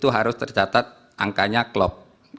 harus tercatat angkanya klop